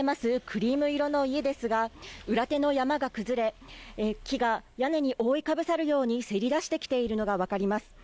クリーム色の家ですが裏手の山が崩れ、木が屋根に覆いかぶさるようにせり出してきているのが分かります。